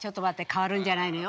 変わるんじゃないのよ。